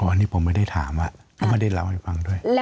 อันนี้ผมไม่ได้ถามเขาไม่ได้เล่าให้ฟังด้วย